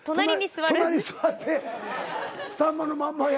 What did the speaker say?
隣座って『さんまのまんま』やんのは。